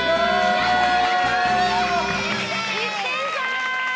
やったー！